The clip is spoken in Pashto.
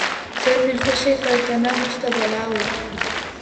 ژر مي خوشي کړ کنه موږ ته بلا و